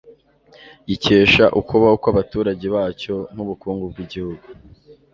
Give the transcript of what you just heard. gikesha ukubaho kw'Abaturage bacyo nk'ubukungu bw'igihugu.